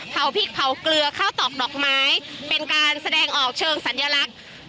เผาพริกเผาเกลือข้าวตอกดอกไม้เป็นการแสดงออกเชิงสัญลักษณ์